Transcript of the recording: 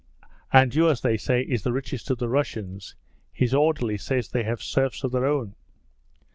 And yours they say is the richest of the Russians. His orderly says they have serfs of their own.'